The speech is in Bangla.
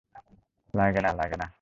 লাগে না, লাগে না!